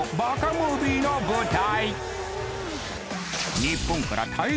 ムービーの舞台！